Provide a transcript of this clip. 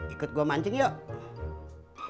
ikut gue mancing yuk